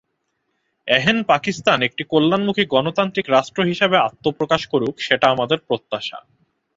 এহেন পাকিস্তান একটি কল্যাণমুখী গণতান্ত্রিক রাষ্ট্র হিসেবে আত্মপ্রকাশ করুক, সেটা আমাদের প্রত্যাশা।